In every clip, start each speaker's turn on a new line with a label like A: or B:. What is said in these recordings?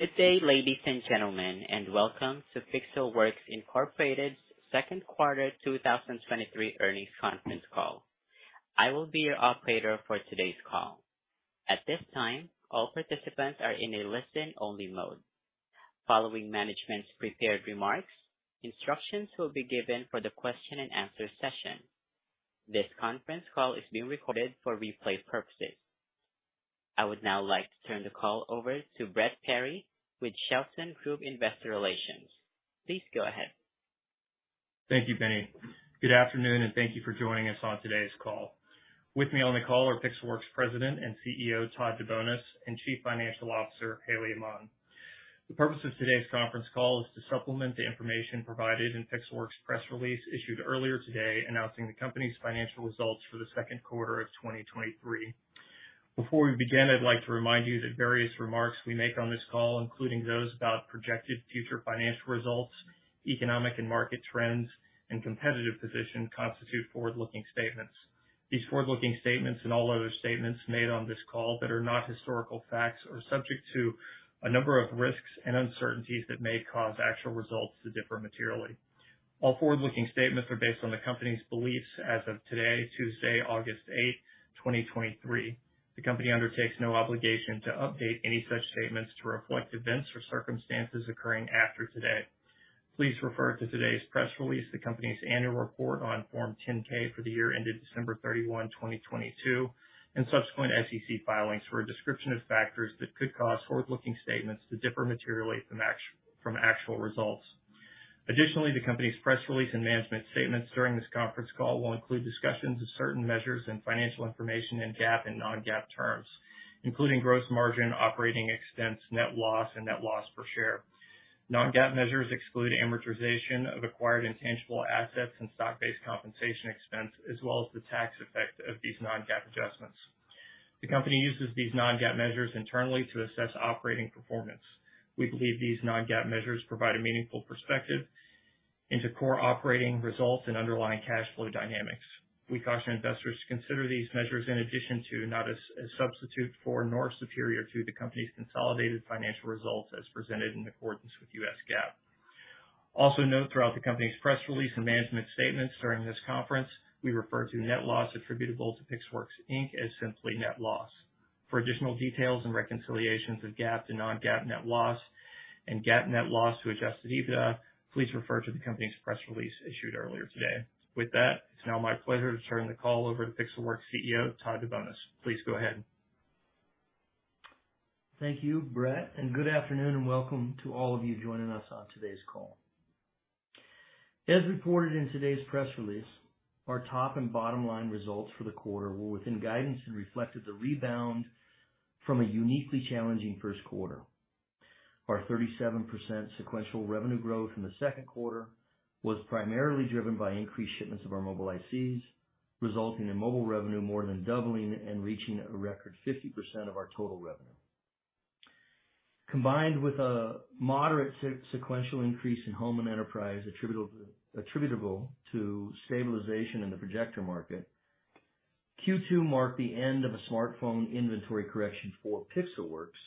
A: Good day, ladies and gentlemen, and welcome to Pixelworks Incorporated's second quarter 2023 earnings conference call. I will be your operator for today's call. At this time, all participants are in a listen-only mode. Following management's prepared remarks, instructions will be given for the question and answer session. This conference call is being recorded for replay purposes. I would now like to turn the call over to Brett Perry with Shelton Group Investor Relations. Please go ahead.
B: Thank you, Benny. Good afternoon, and thank you for joining us on today's call. With me on the call are Pixelworks President and CEO, Todd DeBonis, and Chief Financial Officer, Haley Aman. The purpose of today's conference call is to supplement the information provided in Pixelworks' press release issued earlier today, announcing the company's financial results for the second quarter of 2023. Before we begin, I'd like to remind you that various remarks we make on this call, including those about projected future financial results, economic and market trends, and competitive position, constitute forward-looking statements. These forward-looking statements, and all other statements made on this call that are not historical facts, are subject to a number of risks and uncertainties that may cause actual results to differ materially. All forward-looking statements are based on the company's beliefs as of today, Tuesday, August 8, 2023. The company undertakes no obligation to update any such statements to reflect events or circumstances occurring after today. Please refer to today's press release, the company's annual report on Form 10-K for the year ended December 31, 2022, and subsequent SEC filings for a description of factors that could cause forward-looking statements to differ materially from actual results. Additionally, the company's press release and management statements during this conference call will include discussions of certain measures and financial information in GAAP and non-GAAP terms, including gross margin, operating expense, net loss and net loss per share. Non-GAAP measures exclude amortization of acquired intangible assets and stock-based compensation expense, as well as the tax effect of these non-GAAP adjustments. The company uses these non-GAAP measures internally to assess operating performance. We believe these non-GAAP measures provide a meaningful perspective into core operating results and underlying cash flow dynamics. We caution investors to consider these measures in addition to, not as a substitute for, nor superior to, the company's consolidated financial results as presented in accordance with U.S. GAAP. Also, note throughout the company's press release and management statements during this conference, we refer to net loss attributable to Pixelworks, Inc. as simply net loss. For additional details and reconciliations of GAAP to non-GAAP net loss and GAAP net loss to adjusted EBITDA, please refer to the company's press release issued earlier today. With that, it's now my pleasure to turn the call over to Pixelworks' CEO, Todd DeBonis. Please go ahead.
C: Thank you, Brett, and good afternoon, and welcome to all of you joining us on today's call. As reported in today's press release, our top and bottom line results for the quarter were within guidance and reflected the rebound from a uniquely challenging first quarter. Our 37% sequential revenue growth in the second quarter was primarily driven by increased shipments of our mobile ICs, resulting in mobile revenue more than doubling and reaching a record 50% of our total revenue. Combined with a moderate sequential increase in home and enterprise, attributable to stabilization in the projector market, Q2 marked the end of a smartphone inventory correction for Pixelworks,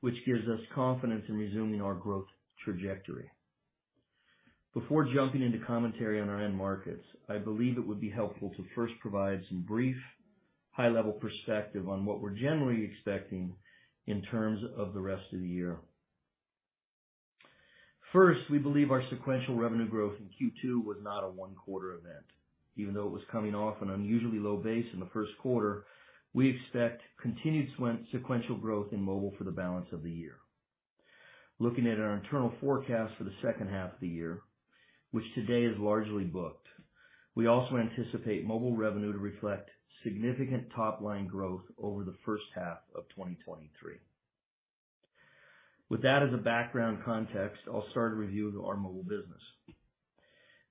C: which gives us confidence in resuming our growth trajectory. Before jumping into commentary on our end markets, I believe it would be helpful to first provide some brief, high-level perspective on what we're generally expecting in terms of the rest of the year. We believe our sequential revenue growth in Q2 was not a one-quarter event. Even though it was coming off an unusually low base in the first quarter, we expect continued sequential growth in mobile for the balance of the year. Looking at our internal forecast for the second half of the year, which today is largely booked, we also anticipate mobile revenue to reflect significant top-line growth over the first half of 2023. With that as a background context, I'll start a review of our mobile business.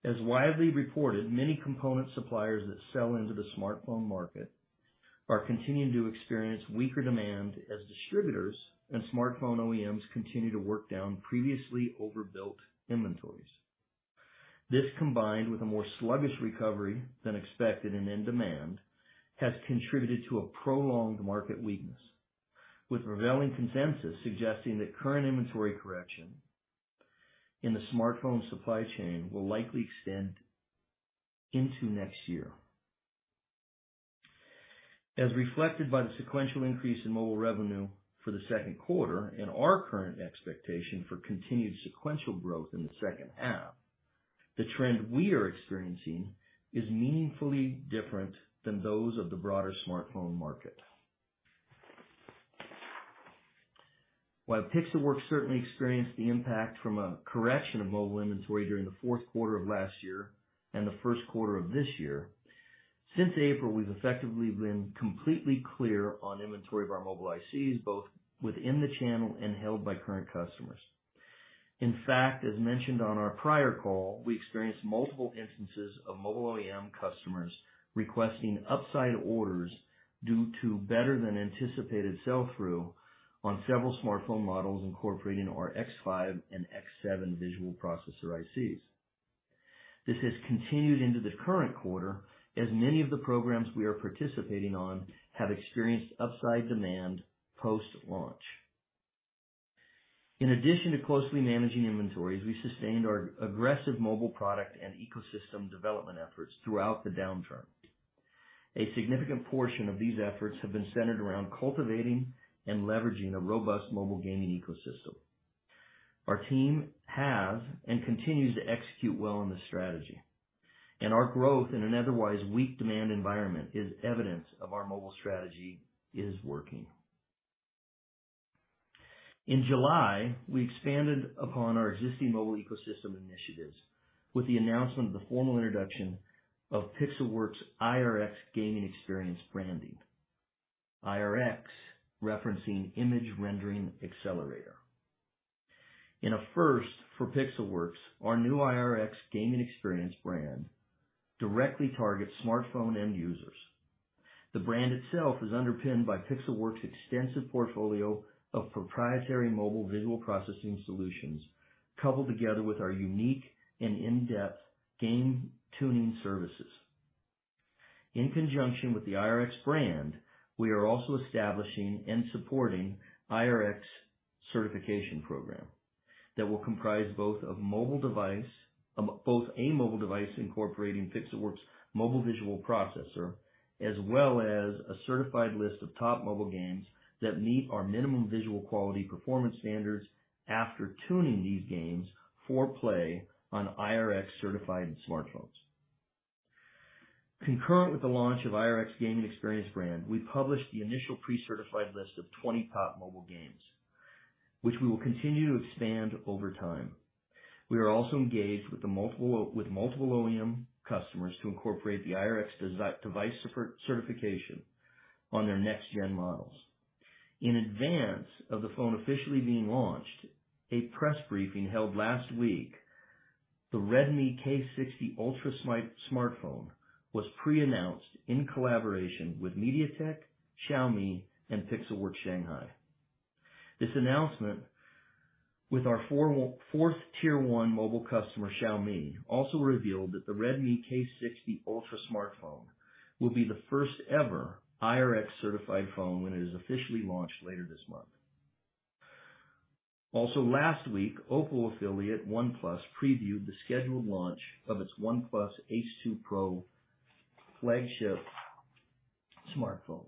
C: As widely reported, many component suppliers that sell into the smartphone market are continuing to experience weaker demand, as distributors and smartphone OEMs continue to work down previously overbuilt inventories. This, combined with a more sluggish recovery than expected and in demand, has contributed to a prolonged market weakness, with prevailing consensus suggesting that current inventory correction in the smartphone supply chain will likely extend into next year. As reflected by the sequential increase in mobile revenue for the second quarter and our current expectation for continued sequential growth in the second half, the trend we are experiencing is meaningfully different than those of the broader smartphone market. While Pixelworks certainly experienced the impact from a correction of mobile inventory during the fourth quarter of last year and the first quarter of this year, since April, we've effectively been completely clear on inventory of our mobile ICs, both within the channel and held by current customers. In fact, as mentioned on our prior call, we experienced multiple instances of mobile OEM customers requesting upside orders due to better than anticipated sell-through on several smartphone models incorporating our X5 and X7 visual processor ICs. This has continued into the current quarter, as many of the programs we are participating on have experienced upside demand post-launch. In addition to closely managing inventories, we sustained our aggressive mobile product and ecosystem development efforts throughout the downturn. A significant portion of these efforts have been centered around cultivating and leveraging a robust mobile gaming ecosystem. Our team have and continues to execute well on this strategy. Our growth in an otherwise weak demand environment is evidence of our mobile strategy is working. In July, we expanded upon our existing mobile ecosystem initiatives with the announcement of the formal introduction of Pixelworks IRX gaming experience branding. IRX, referencing Image Rendering Accelerator. In a first for Pixelworks, our new IRX gaming experience brand directly targets smartphone end users. The brand itself is underpinned by Pixelworks' extensive portfolio of proprietary mobile visual processing solutions, coupled together with our unique and in-depth game tuning services. In conjunction with the IRX brand, we are also establishing and supporting IRX certification program that will comprise both a mobile device incorporating Pixelworks' mobile visual processor, as well as a certified list of top mobile games that meet our minimum visual quality performance standards after tuning these games for play on IRX-certified smartphones. Concurrent with the launch of IRX gaming experience brand, we published the initial pre-certified list of 20 top mobile games, which we will continue to expand over time. We are also engaged with multiple OEM customers to incorporate the IRX device support certification on their next gen models. In advance of the phone officially being launched, a press briefing held last week, the Redmi K60 Ultra smartphone was pre-announced in collaboration with MediaTek, Xiaomi, and Pixelworks Shanghai. This announcement with our fourth-tier 1 mobile customer, Xiaomi, also revealed that the Redmi K60 Ultra smartphone will be the first ever IRX-certified phone when it is officially launched later this month. Last week, OPPO affiliate, OnePlus, previewed the scheduled launch of its OnePlus Ace 2 Pro flagship smartphone,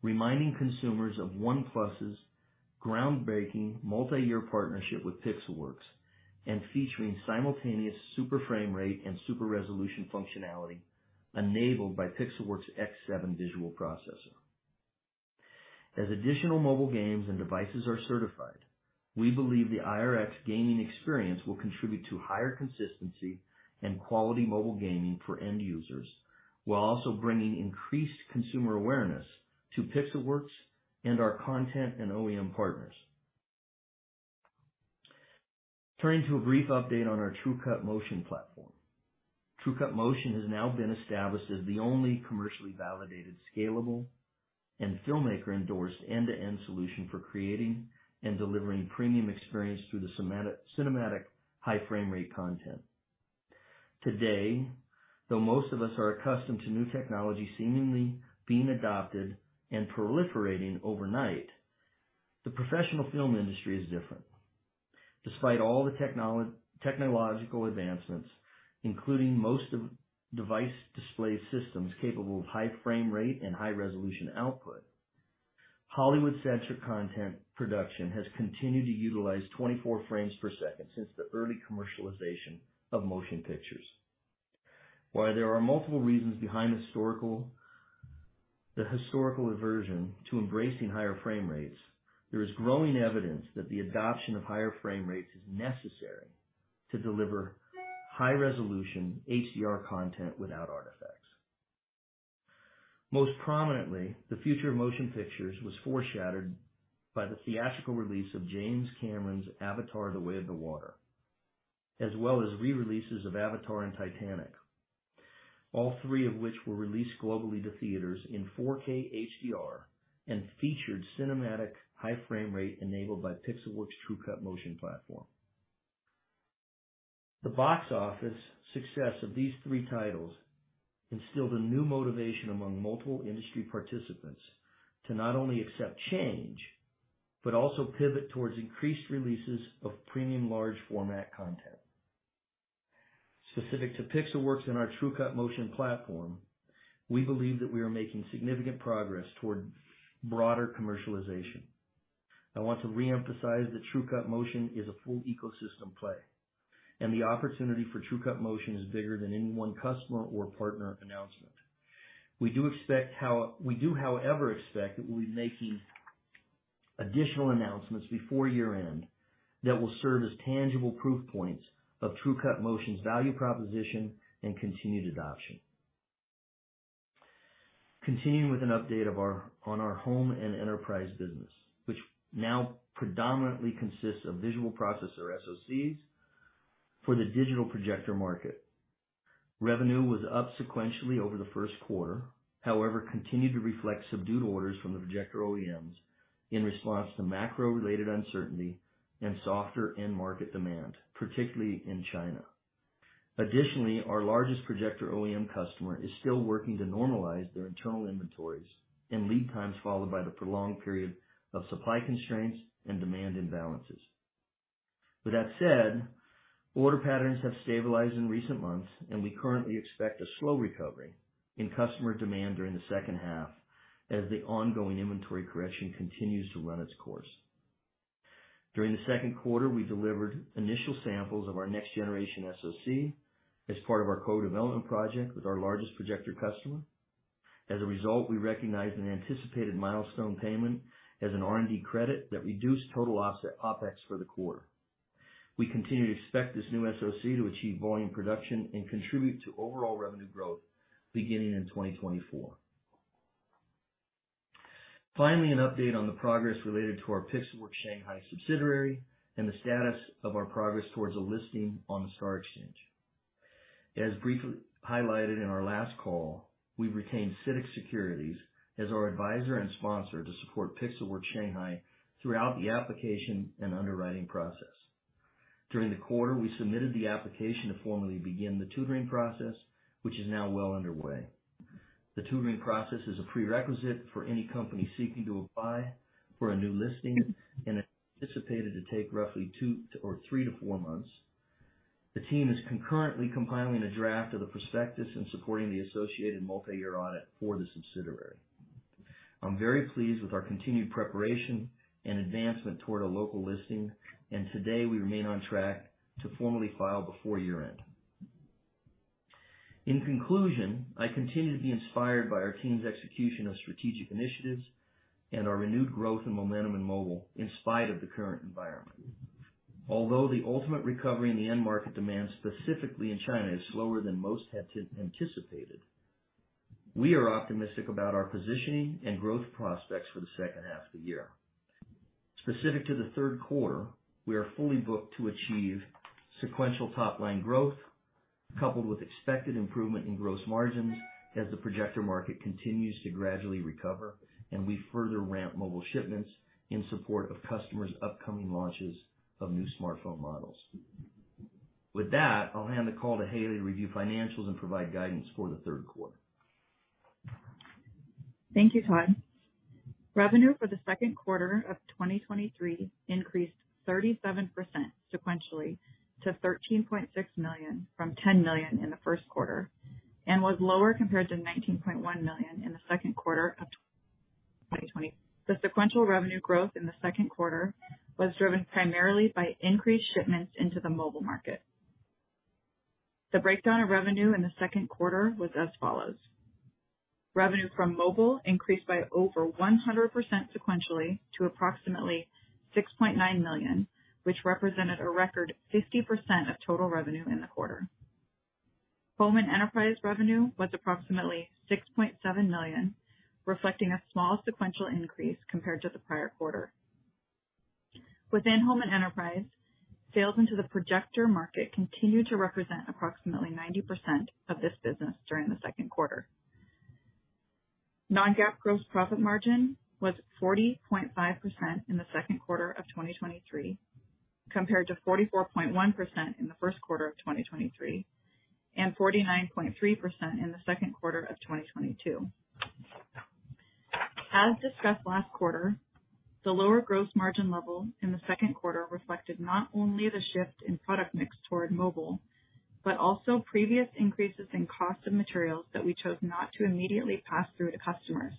C: reminding consumers of OnePlus's groundbreaking multi-year partnership with Pixelworks, and featuring simultaneous super frame rate and super resolution functionality enabled by Pixelworks' X7 visual processor. As additional mobile games and devices are certified, we believe the IRX gaming experience will contribute to higher consistency and quality mobile gaming for end users, while also bringing increased consumer awareness to Pixelworks and our content and OEM partners. Turning to a brief update on our TrueCut Motion platform. TrueCut Motion has now been established as the only commercially validated, scalable, and filmmaker-endorsed end-to-end solution for creating and delivering premium experience through the cinematic high frame rate content. Today, though most of us are accustomed to new technology seemingly being adopted and proliferating overnight, the professional film industry is different. Despite all the technological advancements, including most of device display systems capable of high frame rate and high resolution output, Hollywood sensor content production has continued to utilize 24 frames per second since the early commercialization of motion pictures. While there are multiple reasons behind the historical aversion to embracing higher frame rates, there is growing evidence that the adoption of higher frame rates is necessary to deliver high resolution HDR content without artifacts. Most prominently, the future of motion pictures was foreshadowed by the theatrical release of James Cameron's Avatar: The Way of Water, as well as rereleases of Avatar and Titanic, all three of which were released globally to theaters in 4K HDR and featured cinematic high frame rate enabled by Pixelworks' TrueCut Motion platform. The box office success of these three titles instilled a new motivation among multiple industry participants to not only accept change, but also pivot towards increased releases of premium large format content. Specific to Pixelworks and our TrueCut Motion platform, we believe that we are making significant progress toward broader commercialization. I want to reemphasize that TrueCut Motion is a full ecosystem play, and the opportunity for TrueCut Motion is bigger than any one customer or partner announcement. We do expect... We do, however, expect that we'll be making additional announcements before year-end that will serve as tangible proof points of TrueCut Motion's value proposition and continued adoption. Continuing with an update on our home and enterprise business, which now predominantly consists of visual processor SoCs for the digital projector market. Revenue was up sequentially over the first quarter, however, continued to reflect subdued orders from the projector OEMs in response to macro-related uncertainty and softer end market demand, particularly in China. Additionally, our largest projector OEM customer is still working to normalize their internal inventories and lead times, followed by the prolonged period of supply constraints and demand imbalances. With that said, order patterns have stabilized in recent months, and we currently expect a slow recovery in customer demand during the second half as the ongoing inventory correction continues to run its course. During the second quarter, we delivered initial samples of our next generation SoC as part of our co-development project with our largest projector customer. As a result, we recognized an anticipated milestone payment as an R&D credit that reduced total OpEx for the quarter. We continue to expect this new SoC to achieve volume production and contribute to overall revenue growth beginning in 2024. Finally, an update on the progress related to our Pixelworks Shanghai subsidiary and the status of our progress towards a listing on the STAR Exchange. As briefly highlighted in our last call, we retained CITIC Securities as our advisor and sponsor to support Pixelworks Shanghai throughout the application and underwriting process. During the quarter, we submitted the application to formally begin the tutoring process, which is now well underway. The tutoring process is a prerequisite for any company seeking to apply for a new listing and is anticipated to take roughly two to, or three to four months. The team is concurrently compiling a draft of the prospectus and supporting the associated multi-year audit for the subsidiary. I'm very pleased with our continued preparation and advancement toward a local listing. Today we remain on track to formally file before year-end. In conclusion, I continue to be inspired by our team's execution of strategic initiatives and our renewed growth and momentum in mobile in spite of the current environment. Although the ultimate recovery in the end market demand, specifically in China, is slower than most had anticipated, we are optimistic about our positioning and growth prospects for the second half of the year. Specific to the third quarter, we are fully booked to achieve sequential top-line growth, coupled with expected improvement in gross margins, as the projector market continues to gradually recover and we further ramp mobile shipments in support of customers' upcoming launches of new smartphone models. With that, I'll hand the call to Haley to review financials and provide guidance for the third quarter.
D: Thank you, Todd. Revenue for the second quarter of 2023 increased 37% sequentially to $13.6 million from $10 million in the first quarter, was lower compared to $19.1 million in the second quarter of 2020. The sequential revenue growth in the second quarter was driven primarily by increased shipments into the mobile market. The breakdown of revenue in the second quarter was as follows: Revenue from mobile increased by over 100% sequentially to approximately $6.9 million, which represented a record 50% of total revenue in the quarter. Home and enterprise revenue was approximately $6.7 million, reflecting a small sequential increase compared to the prior quarter. Within home and enterprise, sales into the projector market continued to represent approximately 90% of this business during the second quarter. Non-GAAP gross profit margin was 40.5% in the second quarter of 2023, compared to 44.1% in the first quarter of 2023, and 49.3% in the second quarter of 2022. As discussed last quarter, the lower gross margin level in the second quarter reflected not only the shift in product mix toward mobile, but also previous increases in cost of materials that we chose not to immediately pass through to customers.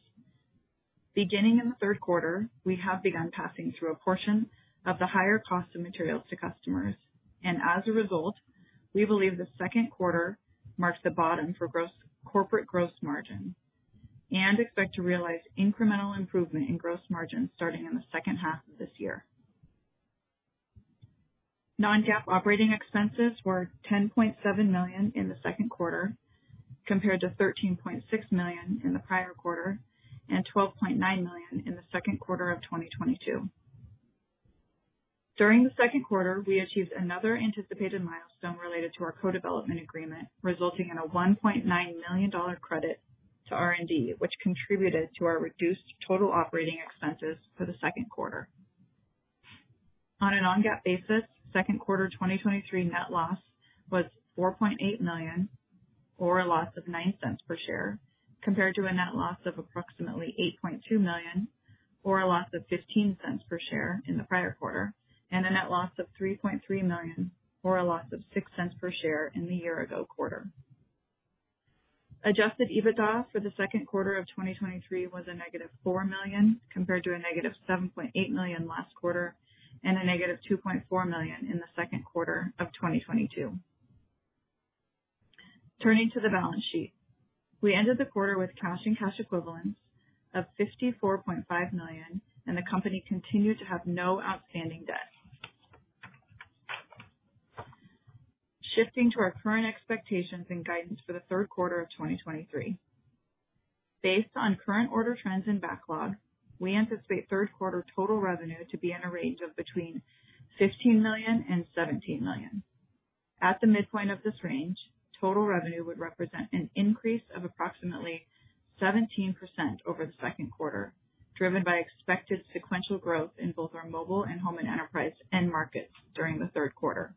D: Beginning in the third quarter, we have begun passing through a portion of the higher cost of materials to customers, and as a result, we believe the second quarter marks the bottom for corporate gross margin and expect to realize incremental improvement in gross margin starting in the second half of this year. Non-GAAP operating expenses were $10.7 million in the second quarter, compared to $13.6 million in the prior quarter, and $12.9 million in the second quarter of 2022. During the second quarter, we achieved another anticipated milestone related to our co-development agreement, resulting in a $1.9 million credit to R&D, which contributed to our reduced total operating expenses for the second quarter. On an non-GAAP basis, second quarter 2023 net loss was $4.8 million, or a loss of $0.09 per share, compared to a net loss of approximately $8.2 million, or a loss of $0.15 per share in the prior quarter, and a net loss of $3.3 million, or a loss of $0.06 per share in the year ago quarter. Adjusted EBITDA for the second quarter of 2023 was a negative $4 million, compared to a negative $7.8 million last quarter and a negative $2.4 million in the second quarter of 2022. Turning to the balance sheet. We ended the quarter with cash and cash equivalents of $54.5 million, and the company continued to have no outstanding debt. Shifting to our current expectations and guidance for the third quarter of 2023. Based on current order trends and backlog, we anticipate third quarter total revenue to be in a range of between $15 million and $17 million. At the midpoint of this range, total revenue would represent an increase of approximately 17% over the second quarter, driven by expected sequential growth in both our mobile and home and enterprise end markets during the third quarter.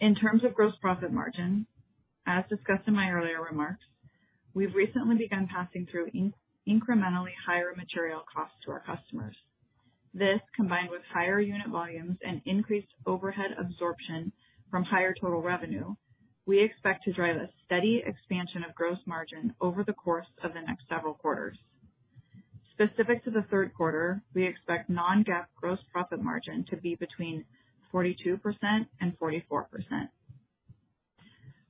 D: In terms of gross profit margin, as discussed in my earlier remarks, we've recently begun passing through in-incrementally higher material costs to our customers. This, combined with higher unit volumes and increased overhead absorption from higher total revenue, we expect to drive a steady expansion of gross margin over the course of the next several quarters. Specific to the third quarter, we expect non-GAAP gross profit margin to be between 42% and 44%.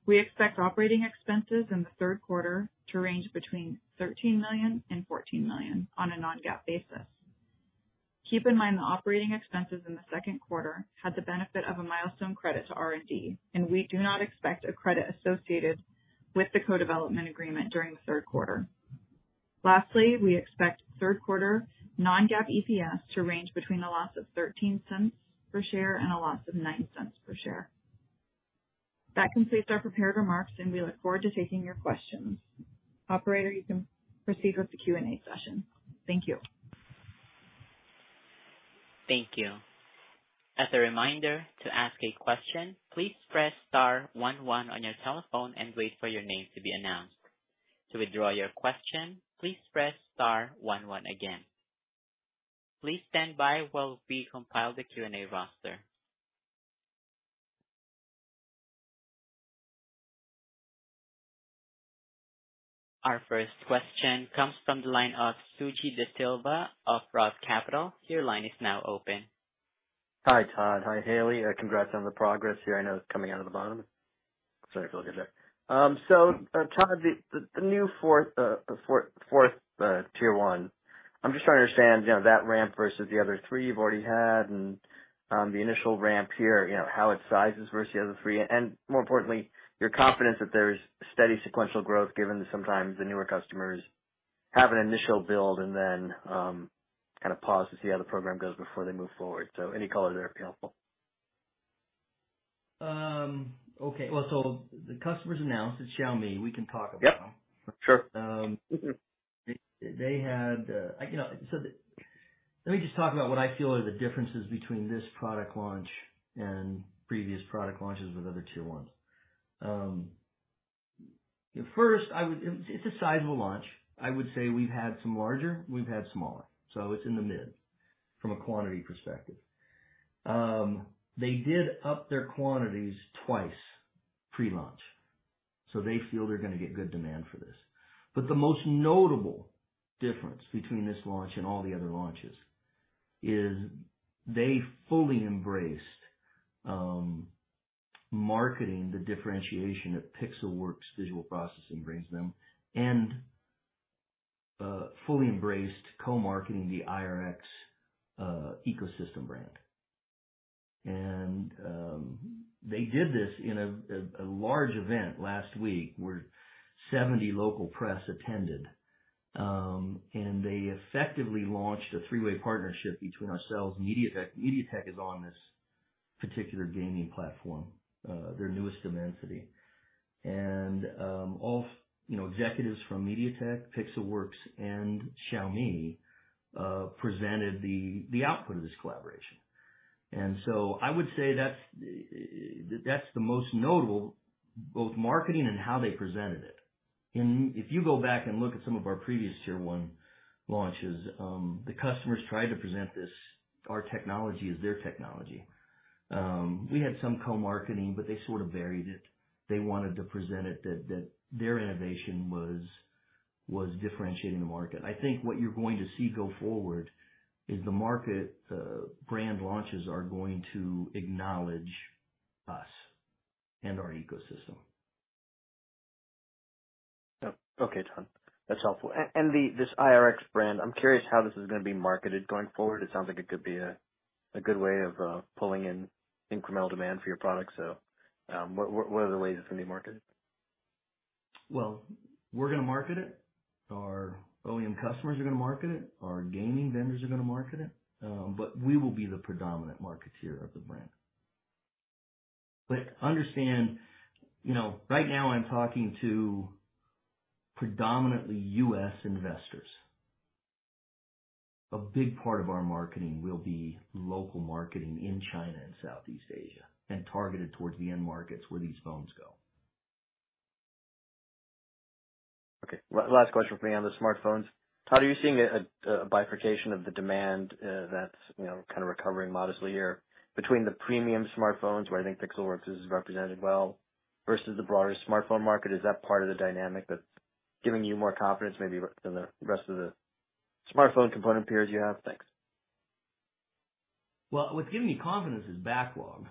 D: We expect operating expenses in the third quarter to range between $13 million and $14 million on a non-GAAP basis. Keep in mind, the operating expenses in the second quarter had the benefit of a milestone credit to R&D, and we do not expect a credit associated with the co-development agreement during the third quarter. Lastly, we expect third quarter non-GAAP EPS to range between a loss of $0.13 per share and a loss of $0.09 per share. That completes our prepared remarks, and we look forward to taking your questions. Operator, you can proceed with the Q&A session. Thank you.
A: Thank you. As a reminder, to ask a question, please press star one one on your telephone and wait for your name to be announced. To withdraw your question, please press star one one again. Please stand by while we compile the Q&A roster. Our first question comes from the line of Suji DeSilva of Roth Capital. Your line is now open.
E: Hi, Todd. Hi, Haley. congrats on the progress here. I know it's coming out of the bottom. Sorry if it looks good there. Todd, the, the, the new fourth, fourth, fourth, tier one. I'm just trying to understand, you know, that ramp versus the other three you've already had and the initial ramp here, you know, how it sizes versus the other three, and more importantly, your confidence that there's steady sequential growth, given that sometimes the newer customers have an initial build and then kind of pause to see how the program goes before they move forward. Any color there would be helpful.
C: Okay. Well, the customers announced, it's Xiaomi, we can talk about them.
E: Yep, sure.
C: They had, you know, let me just talk about what I feel are the differences between this product launch and previous product launches with other tier ones. First, it's a sizable launch. I would say we've had some larger, we've had smaller, it's in the mid, from a quantity perspective. They did up their quantities twice pre-launch, they feel they're gonna get good demand for this. The most notable difference between this launch and all the other launches is they fully embraced marketing the differentiation that Pixelworks' visual processing brings them and fully embraced co-marketing the IRX ecosystem brand. They did this in a large event last week, where 70 local press attended, and they effectively launched a three-way partnership between ourselves and MediaTek. MediaTek is on this particular gaming platform, their newest Dimensity. All, you know, executives from MediaTek, Pixelworks, and Xiaomi presented the output of this collaboration. I would say that's, that's the most notable, both marketing and how they presented it. If you go back and look at some of our previous tier one launches, the customers tried to present this, our technology as their technology. We had some co-marketing, but they sort of varied it. They wanted to present it that, that their innovation was differentiating the market. I think what you're going to see go forward is the market, brand launches are going to acknowledge us and our ecosystem.
E: Oh, okay, Todd. That's helpful. The, this IRX brand, I'm curious how this is gonna be marketed going forward. It sounds like it could be a, a good way of, pulling in incremental demand for your product. What, what, are the ways it's going to be marketed?
C: Well, we're gonna market it. Our OEM customers are gonna market it. Our gaming vendors are gonna market it. We will be the predominant marketeer of the brand. Understand, you know, right now I'm talking to predominantly U.S. investors. A big part of our marketing will be local marketing in China and Southeast Asia, and targeted towards the end markets where these phones go.
E: Okay, last question for me on the smartphones. Todd, are you seeing a bifurcation of the demand, that's, you know, kind of recovering modestly here between the premium smartphones, where I think Pixelworks is represented well, versus the broader smartphone market? Is that part of the dynamic that's giving you more confidence maybe than the rest of the smartphone component peers you have? Thanks.
C: Well, what's giving me confidence is backlog.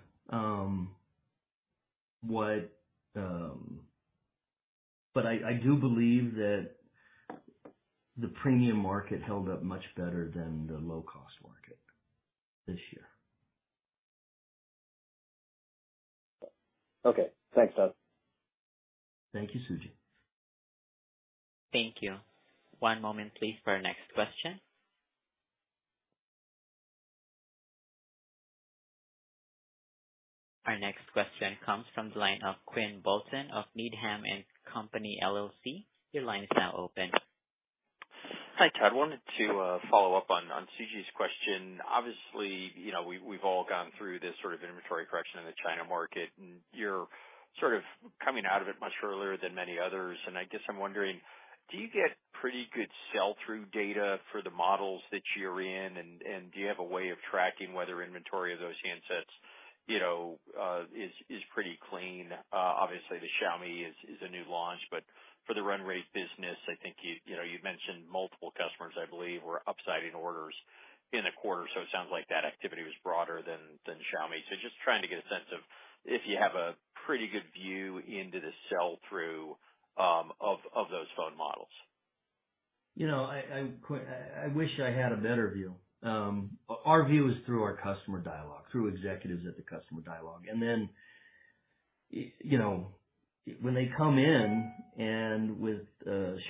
C: I, I do believe that the premium market held up much better than the low-cost market this year.
E: Okay, thanks, Todd.
C: Thank you, Suji.
A: Thank you. One moment, please, for our next question. Our next question comes from the line of Quinn Bolton of Needham & Company. Your line is now open.
F: Hi, Todd. Wanted to follow up on, on Suji's question. Obviously, you know, we, we've all gone through this sort of inventory correction in the China market, and you're sort of coming out of it much earlier than many others. I guess I'm wondering, do you get pretty good sell-through data for the models that you're in? Do you have a way of tracking whether inventory of those handsets, you know, is, is pretty clean? Obviously, the Xiaomi is, is a new launch, but for the run rate business, I think you, you know, you've mentioned multiple customers, I believe, were upsiding orders in the quarter. It sounds like that activity was broader than, than Xiaomi. Just trying to get a sense of if you have a pretty good view into the sell-through of, of those phone models.
C: You know, I, I'm, Quinn, I, I wish I had a better view. Our view is through our customer dialogue, through executives at the customer dialogue. Then, you know, when they come in and with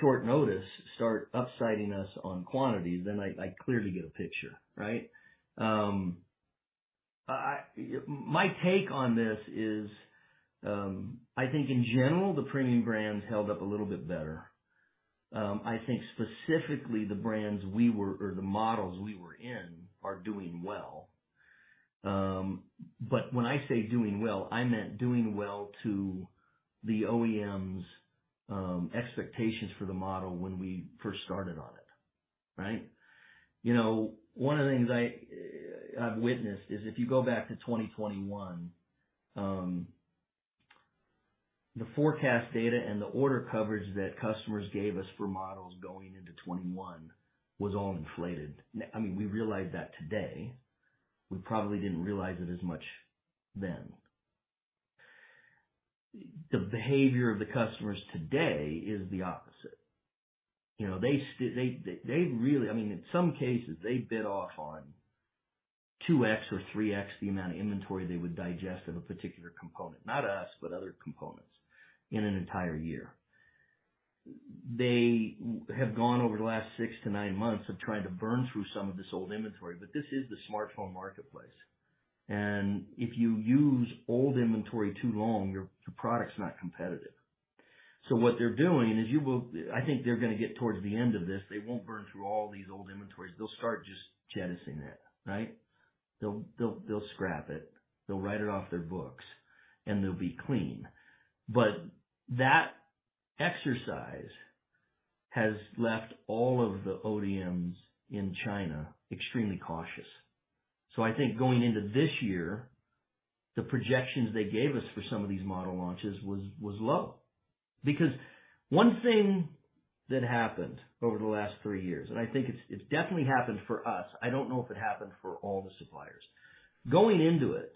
C: short notice, start upsiding us on quantity, then I, I clearly get a picture, right? My take on this is, I think in general, the premium brands held up a little bit better. I think specifically the brands we were or the models we were in are doing well. When I say doing well, I meant doing well to the OEMs', expectations for the model when we first started on it, right? You know, one of the things I, I've witnessed is if you go back to 2021, the forecast data and the order coverage that customers gave us for models going into 2021 was all inflated. I mean, we realize that today. We probably didn't realize it as much then. The behavior of the customers today is the opposite. You know, they really, I mean, in some cases, they bid off on 2x or 3x the amount of inventory they would digest of a particular component, not us, but other components, in an entire year. They have gone over the last six to nine months of trying to burn through some of this old inventory, but this is the smartphone marketplace, and if you use old inventory too long, your, your product's not competitive. What they're doing is you will, I think they're gonna get towards the end of this. They won't burn through all these old inventories. They'll start just jettisoning it, right? They'll, they'll, they'll scrap it. They'll write it off their books, and they'll be clean. That exercise has left all of the ODMs in China extremely cautious. I think going into this year, the projections they gave us for some of these model launches was, was low. One thing that happened over the last three years, and I think it's, it's definitely happened for us, I don't know if it happened for all the suppliers. Going into it,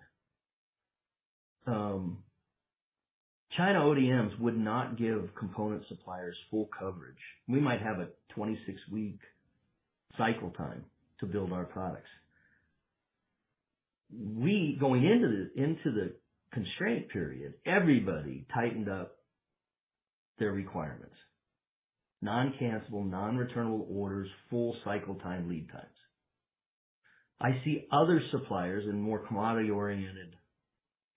C: China ODMs would not give component suppliers full coverage. We might have a 26-week cycle time to build our products. We, going into the, into the constraint period, everybody tightened up their requirements. Non-cancellable, non-returnable orders, full cycle time, lead times. I see other suppliers in more commodity-oriented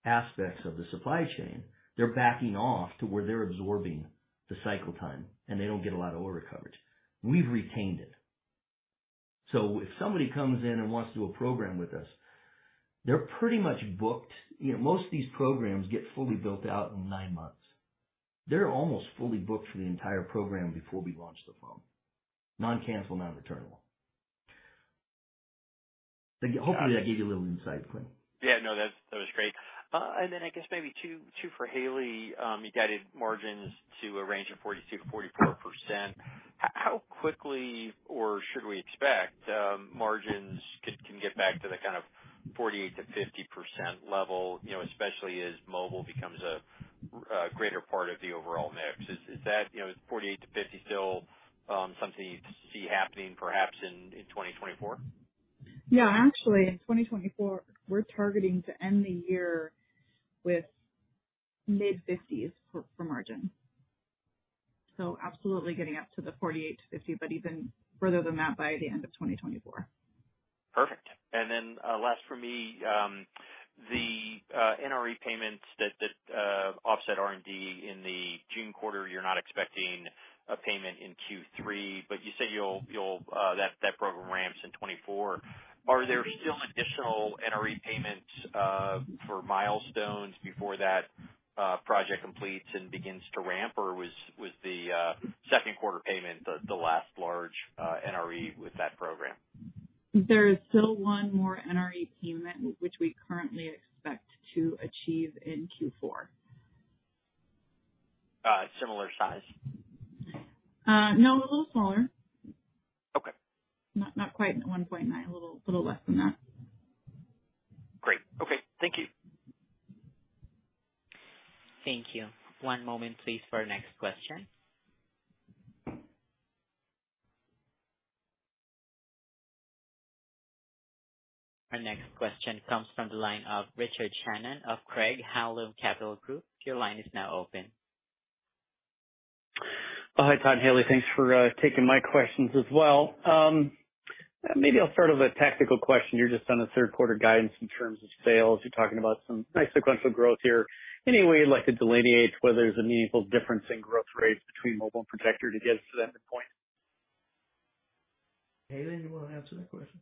C: aspects of the supply chain, they're backing off to where they're absorbing the cycle time, and they don't get a lot of order coverage. We've retained it. If somebody comes in and wants to do a program with us, they're pretty much booked. You know, most of these programs get fully built out in nine months. They're almost fully booked for the entire program before we launch the phone. Non-cancel, non-returnable. Hopefully, that gave you a little insight, Quinn.
F: Yeah. No, that, that was great. And then I guess maybe two, two for Haley. You guided margins to a range of 42%-44%. How quickly or should we expect margins can get back to the kind of 48%-50% level, you know, especially as mobile becomes a, a greater part of the overall mix? Is, is that, you know, is 48%-50% still something you'd see happening perhaps in 2024?
D: Yeah, actually, in 2024, we're targeting to end the year with mid-50s for, for margin. Absolutely getting up to the 48%-50%, but even further than that, by the end of 2024.
F: Perfect. Then, last for me, the NRE payments that, that offset R&D in the June quarter, you're not expecting a payment in Q3, but you say you'll, you'll that, that program ramps in 2024. Are there still additional NRE payments for milestones before that project completes and begins to ramp, or was, was the second quarter payment the last large NRE with that program?
D: There is still one more NRE payment, which we currently expect to achieve in Q4.
F: Similar size?
D: No, a little smaller.
F: Okay.
D: Not, not quite $1.9 million. A little, little less than that.
F: Great. Okay. Thank you.
A: Thank you. One moment, please, for our next question. Our next question comes from the line of Richard Shannon of Craig-Hallum Capital Group. Your line is now open.
G: Hi, Todd, Haley. Thanks for taking my questions as well. Maybe I'll start with a tactical question. You're just on the third quarter guidance in terms of sales. You're talking about some nice sequential growth here. Any way you'd like to delineate whether there's a meaningful difference in growth rates between mobile and projector to get to that point?
C: Haley, you wanna answer that question?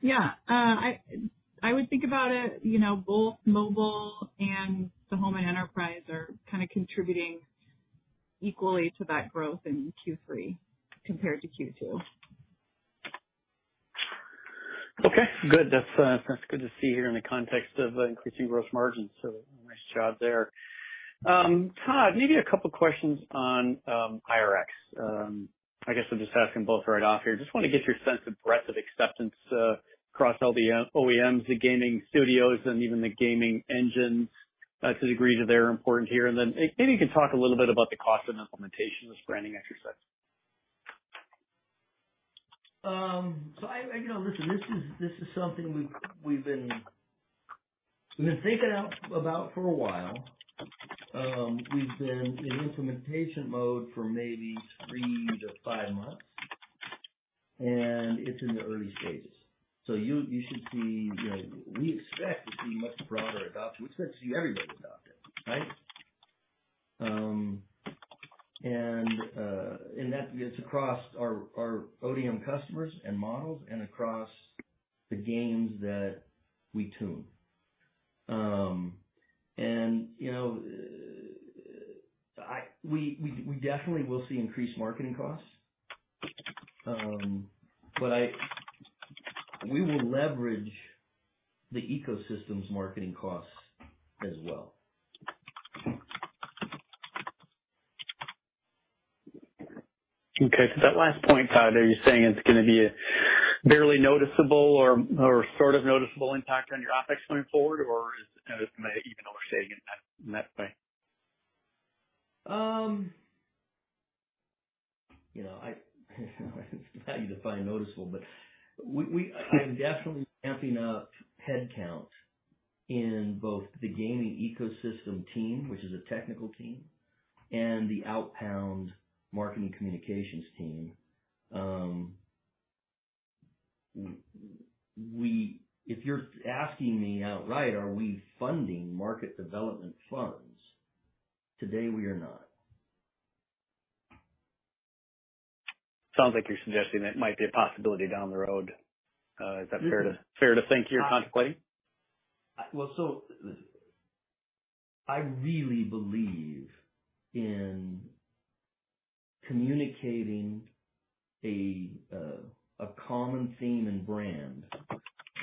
D: Yeah. I, I would think about it, you know, both mobile and the home and enterprise are kind of contributing equally to that growth in Q3 compared to Q2.
G: Okay, good. That's that's good to see here in the context of increasing gross margins. Nice job there. Todd, maybe a couple questions on IRX. I guess I'll just ask them both right off here. Just wanna get your sense of breadth of acceptance across all the OEMs, the gaming studios, and even the gaming engine to the degree that they're important here. Then maybe you can talk a little bit about the cost of implementation of this branding exercise.
C: I, you know, listen, this is, this is something we've been thinking out about for a while. We've been in implementation mode for maybe three to five months, and it's in the early stages. You, you should see, you know, we expect to see much broader adoption. We expect to see everybody adopt it, right? That is across our, our ODM customers and models and across the games that we tune. You know, we definitely will see increased marketing costs. We will leverage the ecosystem's marketing costs as well.
G: Okay. That last point, Todd, are you saying it's gonna be a barely noticeable or, or sort of noticeable impact on your OpEx going forward? Is it maybe even overstating it in that, in that way?
C: You know, I, how do you define noticeable? I'm definitely ramping up head count in both the gaming ecosystem team, which is a technical team, and the outbound marketing communications team. If you're asking me outright, are we funding market development funds? Today, we are not.
G: Sounds like you're suggesting that it might be a possibility down the road. Is that fair to-?
C: Mm-hmm.
G: Fair to think here, Todd, quarterly?
C: I really believe in communicating a, a common theme and brand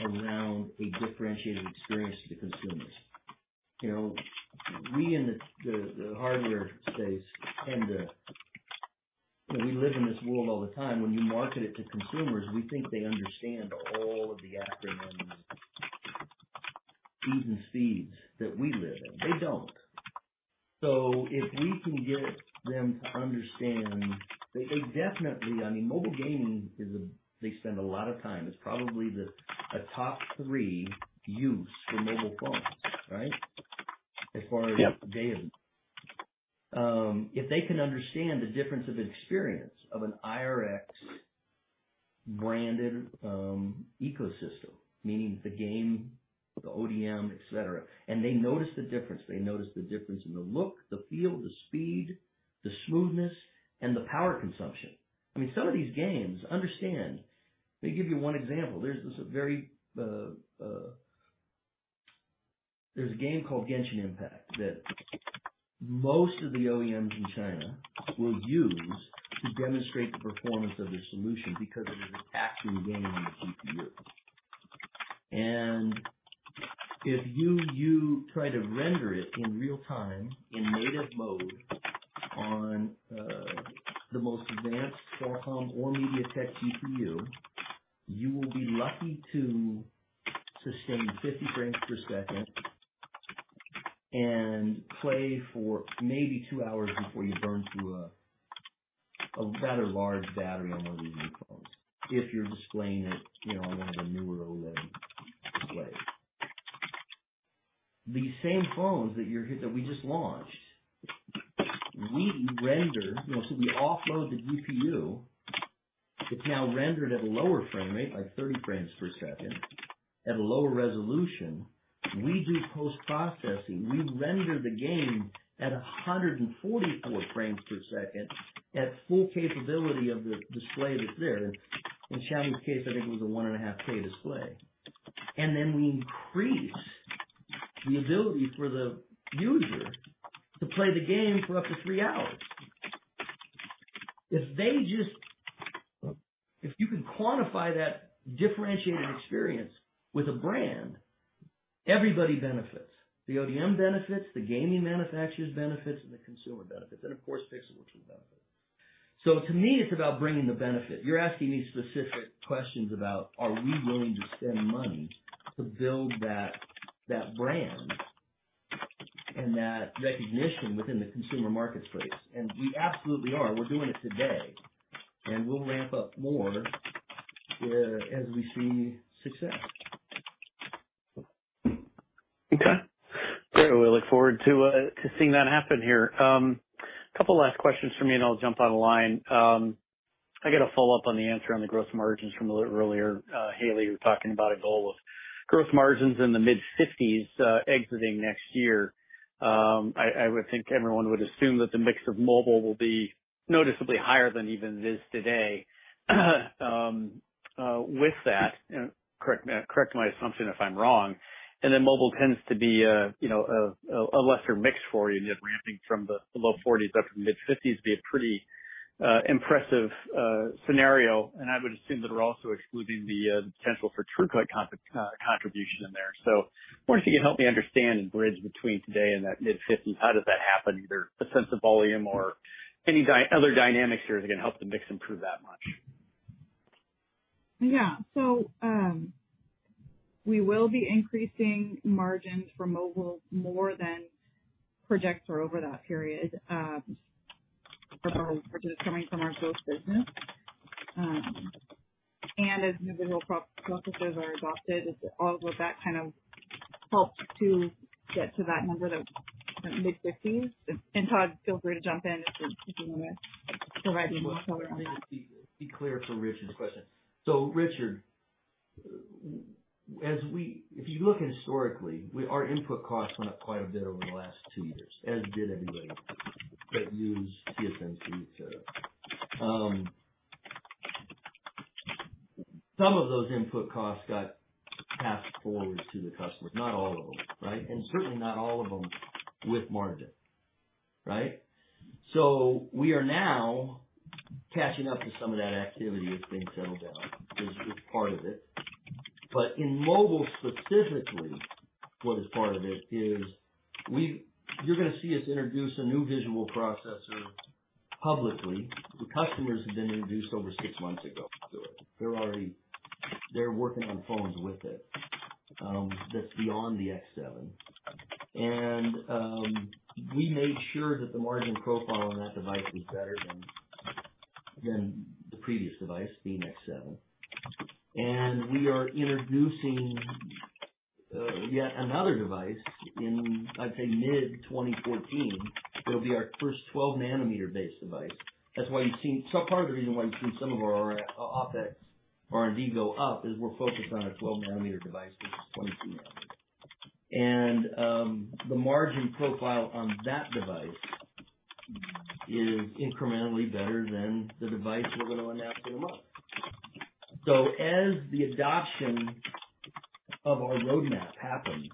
C: around a differentiated experience to the consumers. You know, we in the, the, the hardware space tend to... You know, we live in this world all the time. When you market it to consumers, we think they understand all of the acronyms, Es, and Cs that we live in. They don't. If we can get them to understand, they, they definitely. I mean, mobile gaming is a... They spend a lot of time. It's probably the, a top three use for mobile phones, right?
G: Yep.
C: As far as gaming. If they can understand the difference of experience of an IRX branded ecosystem, meaning the game, the ODM, et cetera, and they notice the difference, they notice the difference in the look, the feel, the speed, the smoothness, and the power consumption. I mean, some of these games. Let me give you one example. There's this. There's a game called Genshin Impact that most of the OEMs in China will use to demonstrate the performance of their solution because it is an action game on the GPU. If you, you try to render it in real time, in native mode, on the most advanced Qualcomm or MediaTek GPU, you will be lucky to sustain 50 frames per second and play for maybe two hours before you burn through a, a rather large battery on one of these new phones, if you're displaying it, you know, on one of the newer OLED displays. These same phones that you're that we just launched, we render, you know, so we offload the GPU. It's now rendered at a lower frame rate, like 30 frames per second, at a lower resolution. We do post-processing. We render the game at 144 frames per second, at full capability of the display that's there. In Shannon's case, I think it was a 1.5K display. Then we increase the ability for the user to play the game for up to three hours. If they just... If you can quantify that differentiated experience with a brand, everybody benefits. The ODM benefits, the gaming manufacturers benefits, and the consumer benefits, and of course, Pixelworks benefits. To me, it's about bringing the benefit. You're asking me specific questions about, are we willing to spend money to build that, that brand? And that recognition within the consumer market space, and we absolutely are. We're doing it today, and we'll ramp up more as we see success.
G: Okay, great. Well, we look forward to seeing that happen here. A couple last questions for me, and I'll jump out of line. I got a follow-up on the answer on the growth margins from a little earlier. Haley, you were talking about a goal of growth margins in the mid-50s, exiting next year. I, I would think everyone would assume that the mix of mobile will be noticeably higher than even it is today. With that, and correct, correct my assumption if I'm wrong, and then mobile tends to be a, you know, a lesser mix for you, and that ramping from the low 40s up to the mid-50s would be a pretty impressive scenario. I would assume that we're also excluding the potential for true, like, contribution in there. I wonder if you can help me understand and bridge between today and that mid-fifties, how does that happen? Either the sense of volume or any other dynamics here that are gonna help the mix improve that much?
D: Yeah. We will be increasing margins for mobile more than projects are over that period for the purchases coming from our growth business. As new visual processors are adopted, all of that kind of helps to get to that number, that mid-fifties. Todd, feel free to jump in if you want to provide any more color on that.
C: Be clear for Richard's question. Richard, as we if you look historically, we, our input costs went up quite a bit over the last two years, as did everybody that use TSMC. Some of those input costs got passed forward to the customers. Not all of them, right? Certainly not all of them with margin, right? We are now catching up to some of that activity that's being settled down. Is part of it. In mobile, specifically, what is part of it is we've you're gonna see us introduce a new visual processor publicly. The customers have been introduced over six months ago to it. They're already, they're working on phones with it, that's beyond the X7. We made sure that the margin profile on that device was better than, than the previous device, the X7. We are introducing yet another device in, I'd say, mid-2024. It'll be our first 12-nanometer-based device. That's why you've seen... part of the reason why you've seen some of our OpEx, R&D go up, is we're focused on a 12-nanometer device that's 22-nanometer. The margin profile on that device is incrementally better than the device we're going to announce in a month. As the adoption of our roadmap happens,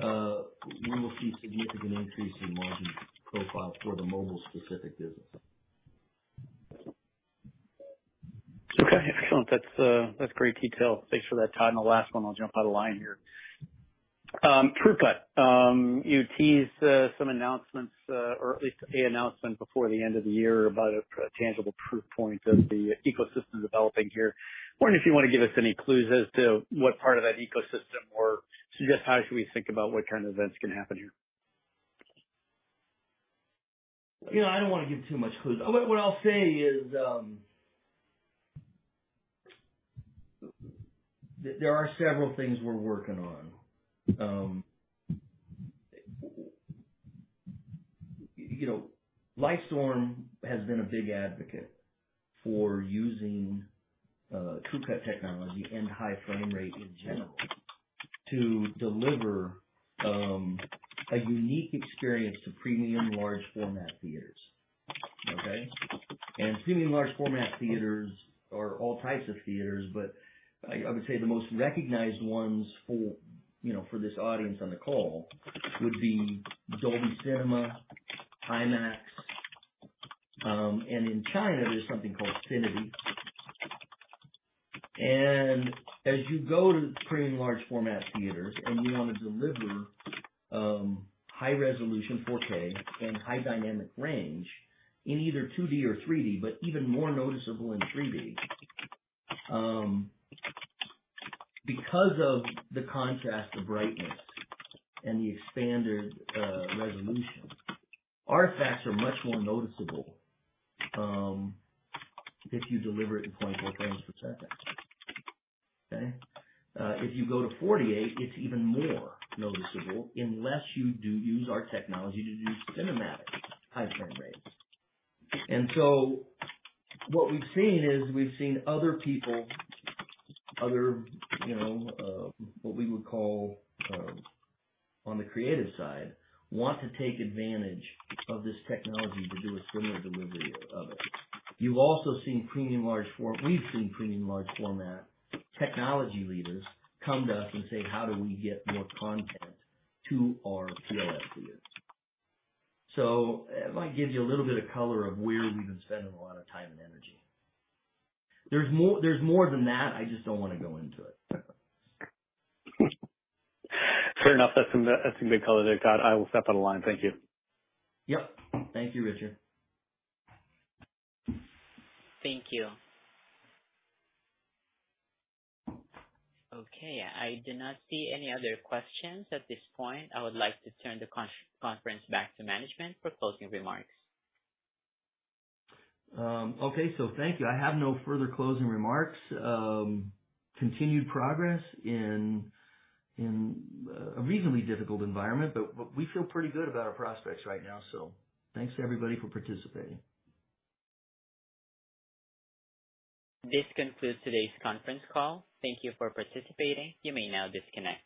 C: we will see a significant increase in margin profile for the mobile-specific business.
G: Okay, excellent. That's, that's great detail. Thanks for that, Todd. The last one, I'll jump out of line here. TrueCut. You teased some announcements or at least an announcement before the end of the year about a tangible proof point of the ecosystem developing here. Wondering if you want to give us any clues as to what part of that ecosystem, or suggest how should we think about what kind of events can happen here?
C: You know, I don't want to give too much clues. What I'll say is, there are several things we're working on. You know, Lightstorm has been a big advocate for using TrueCut technology and high frame rate in general, to deliver a unique experience to premium large format theaters. Okay? Premium large format theaters are all types of theaters, but I, I would say the most recognized ones for, you know, for this audience on the call would be Dolby Cinema, IMAX, and in China, there's something called CINITY. As you go to premium large format theaters, and you want to deliver, high resolution, 4K, and high dynamic range in either 2D or 3D, but even more noticeable in 3D, because of the contrast of brightness and the expanded, resolution, artifacts are much more noticeable, if you deliver it in 0.4 frames per second. Okay? If you go to 48, it's even more noticeable, unless you do use our technology to do cinematic high frame rates. What we've seen is, we've seen other people, other, you know, what we would call, on the creative side, want to take advantage of this technology to do a similar delivery of it. We've seen premium large format technology leaders come to us and say, "How do we get more content to our PLF theaters?" That might give you a little bit of color of where we've been spending a lot of time and energy. There's more, there's more than that. I just don't want to go into it.
G: Fair enough. That's some, that's some good color there, Todd. I will step out of line. Thank you.
C: Yep. Thank you, Richard.
A: Thank you. Okay, I do not see any other questions at this point. I would like to turn the conference back to management for closing remarks.
C: Okay. Thank you. I have no further closing remarks. Continued progress in, in, a reasonably difficult environment, but w-we feel pretty good about our prospects right now. Thanks to everybody for participating.
A: This concludes today's conference call. Thank you for participating. You may now disconnect.